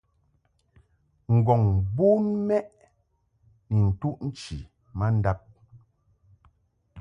Ngɔ̀ŋ bon mɛʼ ni ntuʼ nchi ma ndab.